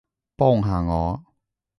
幫下我